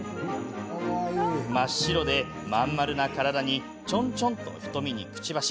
真っ白で真ん丸な体にちょんちょんと瞳に、くちばし。